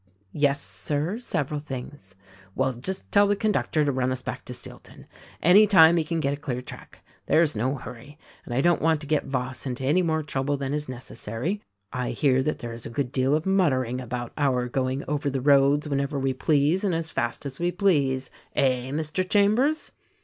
"Yes, sir — several things." "Well, just tell the conductor to run us back to Steel ton — any time he can get a clear track. There is no hurry, and I don't want to get Voss into any more trouble than is necessary. I hear that there is a good deal of muttering about our going over the roads whenever we please and as fast as we please, eh! Mr. Chambers?"